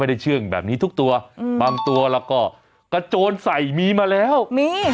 เชื่องแบบนี้ทุกตัวอืมบางตัวเราก็กระโจนใส่มีมาแล้วมี